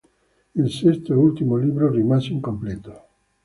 Il sesto e ultimo libro rimase incompleto.